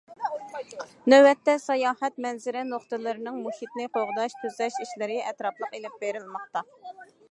نۆۋەتتە ساياھەت مەنزىرە نۇقتىلىرىنىڭ مۇھىتنى قوغداش، تۈزەش ئىشلىرى ئەتراپلىق ئېلىپ بېرىلماقتا.